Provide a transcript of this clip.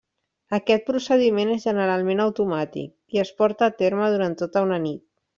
Aquest procediment és generalment automàtic, i es porta a terme durant tota una nit.